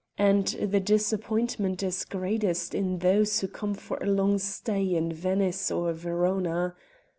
And the disappointment is greatest in those who come from a long stay in Venice or Verona.